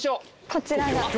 こちらが。